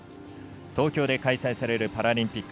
東京で開催されるパラリンピック